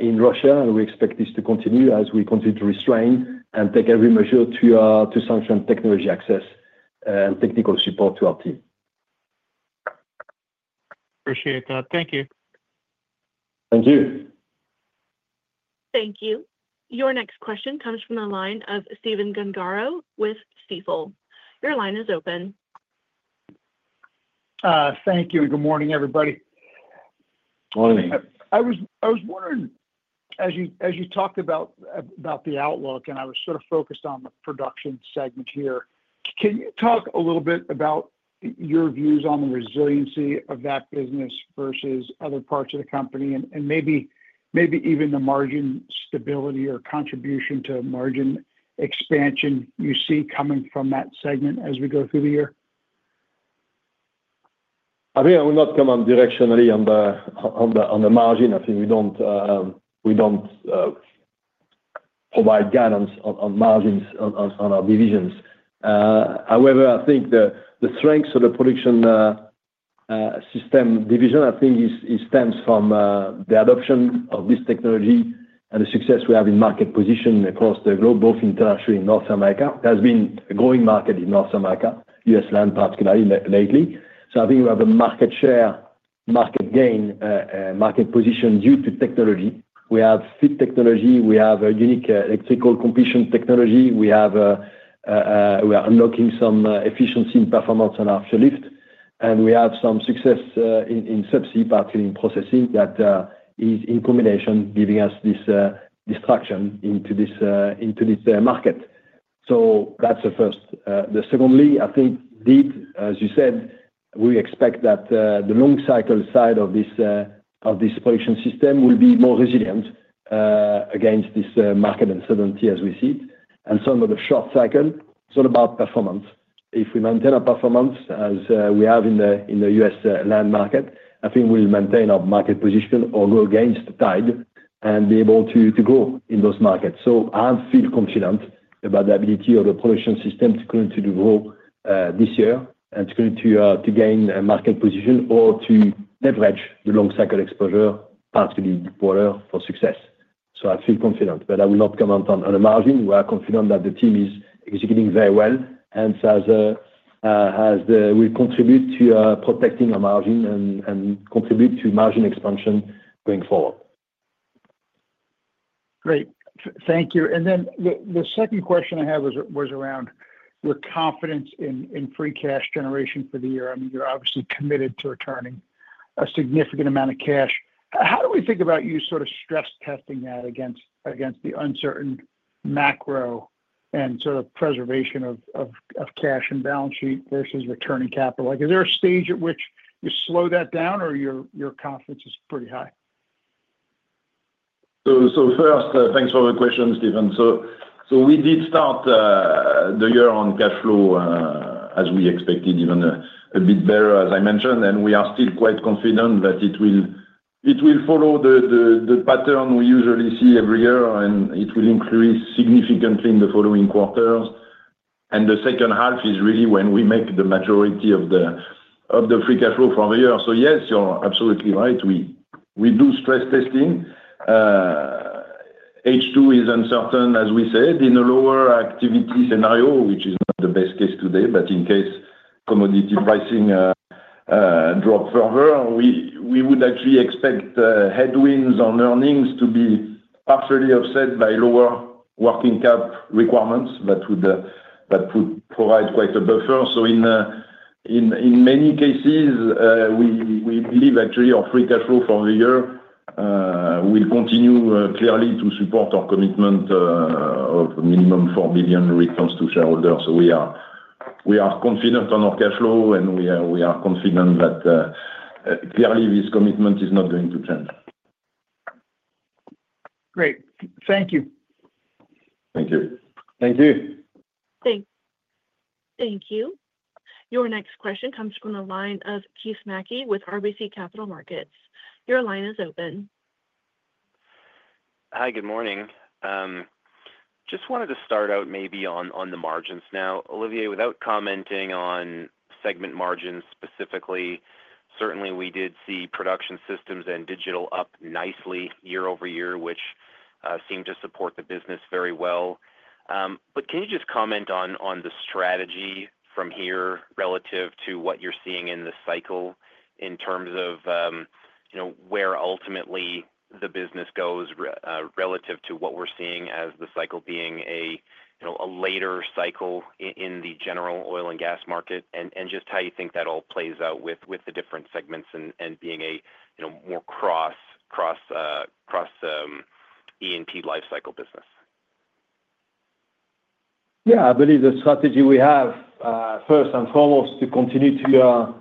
in Russia. We expect this to continue as we continue to restrain and take every measure to sanction technology access and technical support to our team. Appreciate that. Thank you. Thank you. Thank you. Your next question comes from the line of Stephen Gengaro with Stifel. Your line is open. Thank you. Good morning, everybody. Good morning. I was wondering as you talked about the outlook and I was sort of focused on the production segment here. Can you talk a little bit about your views on the resiliency of that business versus other parts of the company and maybe even the margin stability or contribution to margin expansion you see coming from that segment as we go through the year? I mean I will not come on directionally on the margin, I think we don't provide guidance on margins on our divisions, however I think the strengths of the Production Systems division, i think is stems from the adoption of t his technology and the success we have in market position across the globe, both international in North America has been growing market in North America U.S. land particularly lately. So I think you have a market share, market gain, market position due to technology. We have fit technology. We have a unique electrical completion technology. We are unlocking some efficiency and performance on our Artificial Lift. We have some success in subsea, particularly in processing, that is in combination giving us this traction into this market. That is the first. Secondly, I think, as you said, we expect that the long-cycle side of this Production Systems will be more resilient against this market uncertainty as we see it. Some of the short cycle, it is all about performance. If we maintain our performance as we have in the U.S. land market, I think we will maintain our market position or go against the tide and be able to grow in those markets. I feel confident about the ability of the Production Systems to continue to grow this year and to continue to gain a market position or to leverage the long-cycle exposure, particularly deep water for success. I feel confident, but I will not comment on the margin. We are confident that the team is executing very well and will contribute to protecting our margin and contribute to margin expansion going forward. Great. Thank you. The second question I have was around your confidence in free cash generation for the year. I mean, you're obviously committed to returning a significant amount of cash. How do we think about you sort of stress testing that against the uncertain macro and sort of preservation of cash and balance sheet versus returning capital? Is there a stage at which you slow that down or your confidence is pretty high? First, thanks for the question, Stephen. We did start the year on cash flow as we expected, even a bit better, as I mentioned. We are still quite confident that it will follow the pattern we usually see every year, and it will increase significantly in the following quarters. The second half is really when we make the majority of the free cash flow for the year. Yes, you're absolutely right. We do stress testing. H2 is uncertain, as we said, in a lower activity scenario, which is not the best case today, but in case commodity pricing drop further, we would actually expect headwinds on earnings to be partially offset by lower working cap requirements that would provide quite a buffer. In many cases, we believe actually our free cash flow for the year will continue clearly to support our commitment of minimum $4 billion returns to shareholders. We are confident on our cash flow, and we are confident that clearly this commitment is not going to change. Great. Thank you. Thank you. Thank you. Thank you. Your next question comes from the line of Keith Mackey with RBC Capital Markets. Your line is open. Hi, good morning. Just wanted to start out maybe on the margins now. Olivier, without commenting on segment margins specifically, certainly we did see Production Systems and Digital up nicely year-over-year, which seemed to support the business very well. Can you just comment on the strategy from here relative to what you're seeing in the cycle in terms of where ultimately the business goes relative to what we're seeing as the cycle being a later cycle in the general oil and gas market, and just how you think that all plays out with the different segments and being a more cross E&P lifecycle business? Yeah, I believe the strategy we have, first and foremost, to continue to,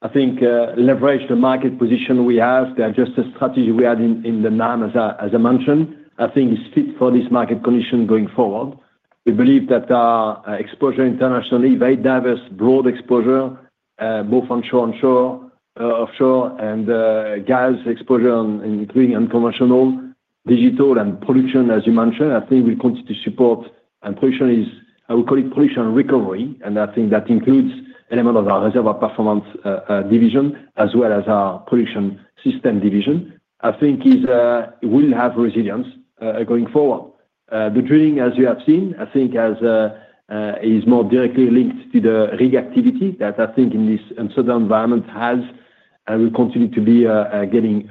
I think, leverage the market position we have, the adjusted strategy we had in the NAM, as I mentioned, I think is fit for this market condition going forward. We believe that our exposure internationally, very diverse, broad exposure, both onshore, offshore, and gas exposure, including unconventional, digital, and production, as you mentioned, I think will continue to support. And production, I will call it production recovery. I think that includes element of our Reservoir Performance division as well as our Production Systems division, I think will have resilience going forward. The drilling, as you have seen, I think is more directly linked to the rig activity that I think in this uncertain environment has and will continue to be getting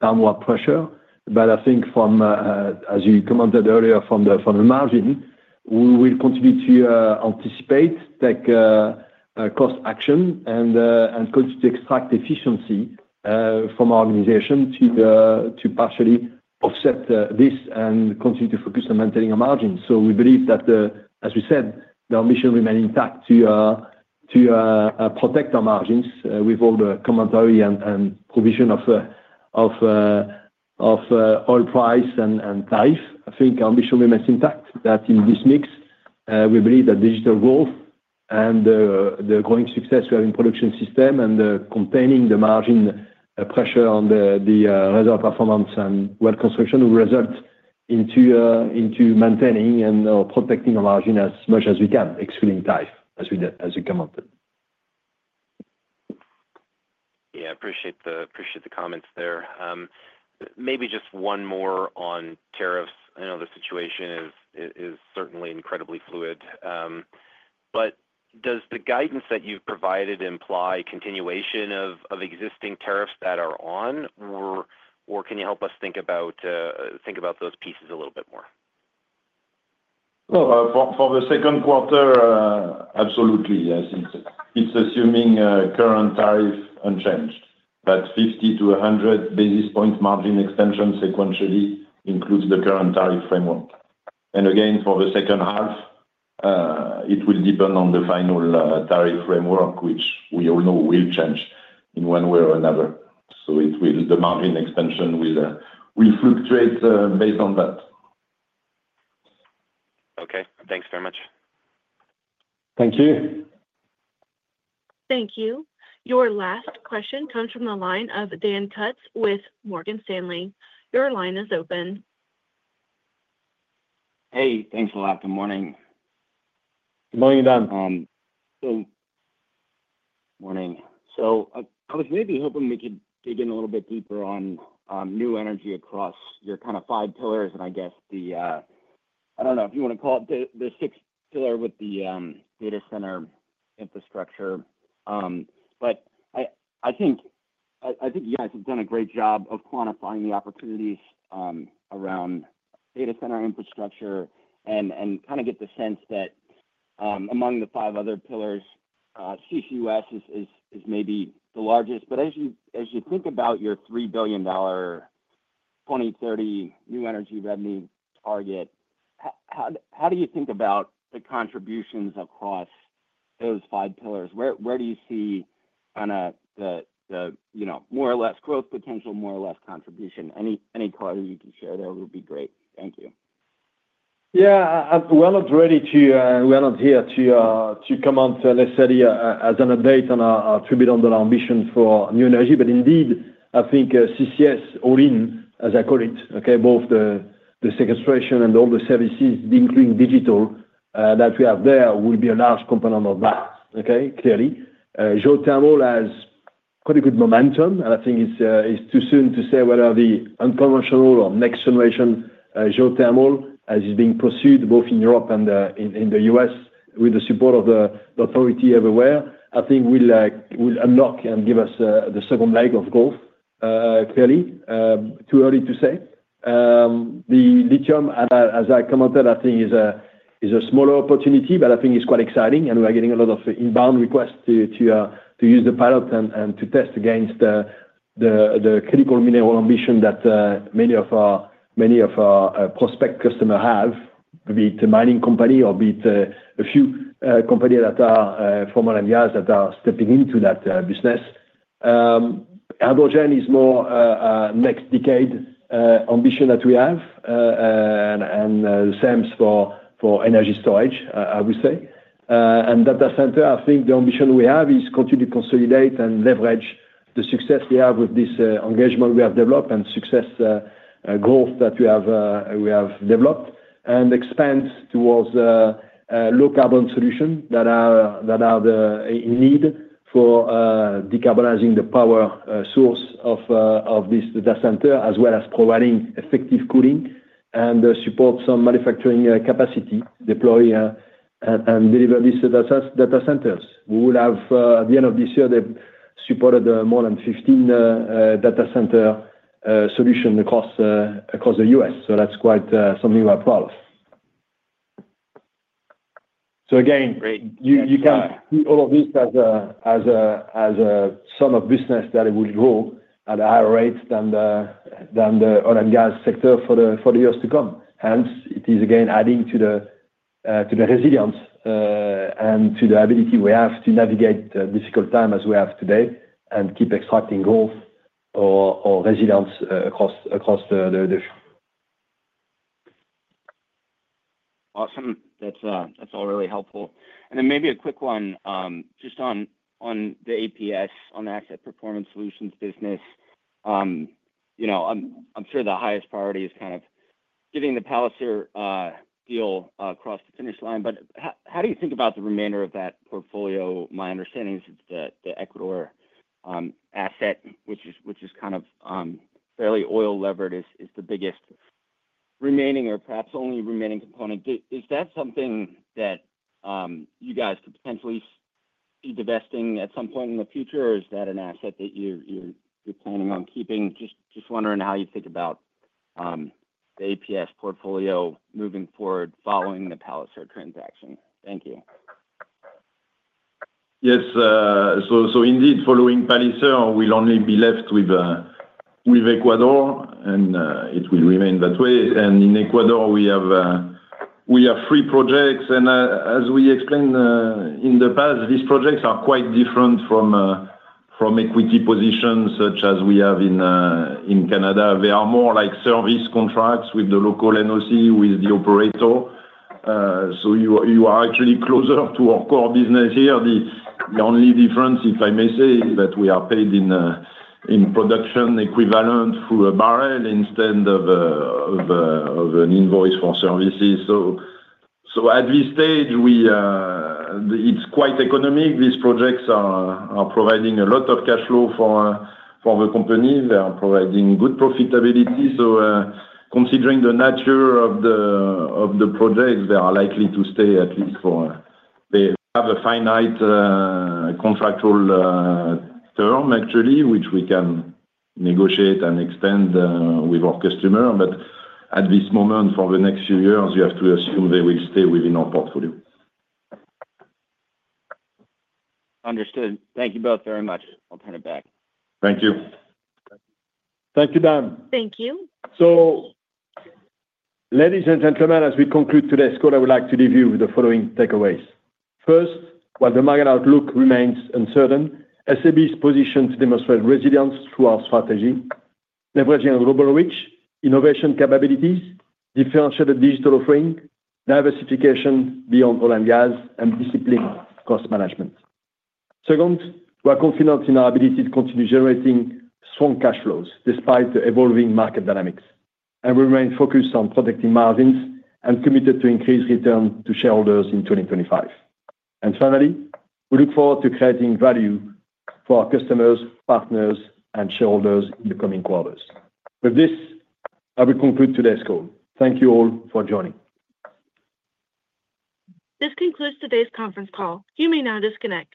downward pressure. I think, as you commented earlier, from the margin, we will continue to anticipate, take cost action, and continue to extract efficiency from our organization to partially offset this and continue to focus on maintaining our margins. We believe that, as we said, the ambition remains intact to protect our margins with all the commentary and provision of oil price and tariff. I think our ambition remains intact that in this mix, we believe that digital growth and the growing success we have in Production Systems and containing the margin pressure on the Reservoir Performance and well construction will result into maintaining and/or protecting our margin as much as we can, excluding tariff, as you commented. Yeah, appreciate the comments there. Maybe just one more on tariffs. I know the situation is certainly incredibly fluid. Does the guidance that you've provided imply continuation of existing tariffs that are on, or can you help us think about those pieces a little bit more? For the second quarter, absolutely. It's assuming current tariff unchanged, but 50 to 100 basis point margin extension sequentially includes the current tariff framework. Again, for the second half, it will depend on the final tariff framework, which we all know will change in one way or another. The margin extension will fluctuate based on that. Okay. Thanks very much. Thank you. Thank you. Your last question comes from the line of Dan Kutz with Morgan Stanley. Your line is open. Hey, thanks a lot. Good morning. Good morning, Dan. Good morning. I was maybe hoping we could dig in a little bit deeper on new energy across your kind of five pillars and, I guess, the—I do not know if you want to call it the sixth pillar with the data center infrastructure. I think you guys have done a great job of quantifying the opportunities around data center infrastructure and kind of get the sense that among the five other pillars, CCUS is maybe the largest. As you think about your $3 billion 2030 new energy revenue target, how do you think about the contributions across those five pillars? Where do you see kind of the more or less growth potential, more or less contribution? Any color you can share there would be great. Thank you. Yeah. I'm ready to—I'm here to comment, let's say, as an update on our 3B on the ambition for new energy. Indeed, I think CCS, all in, as I call it, both the sequestration and all the services, including digital that we have there, will be a large component of that, clearly. Geothermal has quite a good momentum, and I think it's too soon to say whether the unconventional or next-generation geothermal, as is being pursued both in Europe and in the U.S. with the support of the authority everywhere, I think will unlock and give us the second leg of growth, clearly. Too early to say. The lithium, as I commented, I think is a smaller opportunity, but I think it's quite exciting, and we are getting a lot of inbound requests to use the pilot and to test against the critical mineral ambition that many of our prospect customers have, be it a mining company or be it a few companies that are former and guys that are stepping into that business. Hydrogen is more next decade ambition that we have and the same for energy storage, I would say. Data center, I think the ambition we have is continue to consolidate and leverage the success we have with this engagement we have developed and success growth that we have developed and expand towards low-carbon solutions that are in need for decarbonizing the power source of this data center, as well as providing effective cooling and support some manufacturing capacity, deploy, and deliver these data centers. We will have, at the end of this year, supported more than 15 data center solutions across the U.S. That is quite something we're proud of. You can see all of this as a sum of business that it will grow at a higher rate than the oil and gas sector for the years to come. Hence, it is again adding to the resilience and to the ability we have to navigate difficult times as we have today and keep extracting growth or resilience across the future. Awesome. That's all really helpful. Maybe a quick one just on the APS, on the asset performance solutions business. I'm sure the highest priority is kind of getting the Palliser deal across the finish line. How do you think about the remainder of that portfolio? My understanding is it's the Ecuador asset, which is kind of fairly oil-levered, is the biggest remaining or perhaps only remaining component. Is that something that you guys could potentially be divesting at some point in the future, or is that an asset that you're planning on keeping? Just wondering how you think about the APS portfolio moving forward following the Palliser transaction. Thank you. Yes. Indeed, following Palliser, we'll only be left with Ecuador, and it will remain that way. In Ecuador, we have three projects. As we explained in the past, these projects are quite different from equity positions such as we have in Canada. They are more like service contracts with the local NOC, with the operator. You are actually closer to our core business here. The only difference, if I may say, is that we are paid in production equivalent through a barrel instead of an invoice for services. At this stage, it's quite economic. These projects are providing a lot of cash flow for the company. They are providing good profitability. Considering the nature of the projects, they are likely to stay at least for they have a finite contractual term, actually, which we can negotiate and extend with our customer. At this moment, for the next few years, we have to assume they will stay within our portfolio. Understood. Thank you both very much. I'll turn it back. Thank you. Thank you, Dan. Thank you. Ladies and gentlemen, as we conclude today's call, I would like to leave you with the following takeaways. First, while the market outlook remains uncertain, SLB is positioned to demonstrate resilience through our strategy, leveraging global reach, innovation capabilities, differentiated digital offering, diversification beyond oil and gas, and disciplined cost management. Second, we are confident in our ability to continue generating strong cash flows despite the evolving market dynamics. We remain focused on protecting margins and committed to increase returns to shareholders in 2025. Finally, we look forward to creating value for our customers, partners, and shareholders in the coming quarters. With this, I will conclude today's call. Thank you all for joining. This concludes today's conference call. You may now disconnect.